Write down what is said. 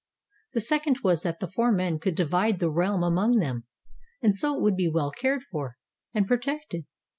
The second was that the four men could divide the realm among them, and so it would be well cared for and pro tected.